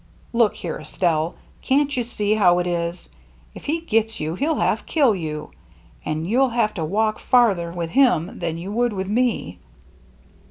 " Look here, Estelle, can't you see how it is ? If he gets you, he'll half kill you. And you'll have to walk farther with him than you would with me."